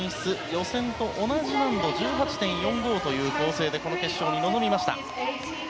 予選と同じ難度１８．４５という構成でこの決勝に臨みました。